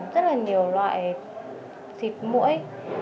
rất là nhiều loại xịt mũi